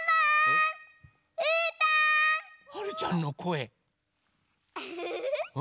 はるちゃんのこえ。